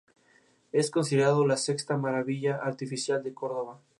Es considerado la sexta Maravilla Artificial de Cordoba.